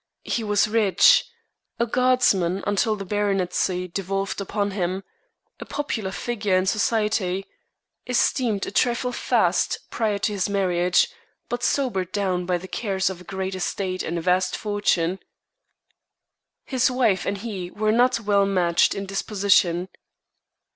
He was rich a Guardsman until the baronetcy devolved upon him, a popular figure in Society, esteemed a trifle fast prior to his marriage, but sobered down by the cares of a great estate and a vast fortune. His wife and he were not well matched in disposition.